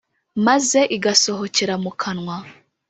maze igasohokera mu kanwa.